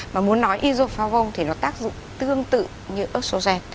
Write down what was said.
mà muốn nói isofarvon thì nó tác dụng tương tự như ớt sô gen